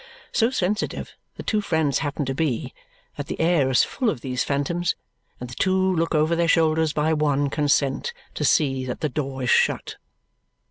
So sensitive the two friends happen to be that the air is full of these phantoms, and the two look over their shoulders by one consent to see that the door is shut.